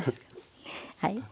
はい。